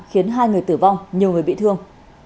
khiến hai người tử vong nhiều người bị thương